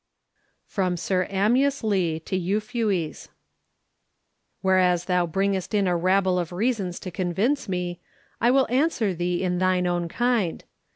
From Sir Amyas Leigh to Euphues. Whereas thou bringest in a rabble of reasons to convince me, I will answer thee in thine own kind.